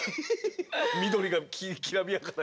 緑がきらびやかな。